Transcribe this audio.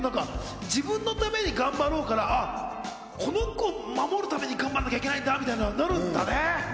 自分のために頑張ろうから、この子を守るために頑張らなきゃいけないんだみたいになるんだね。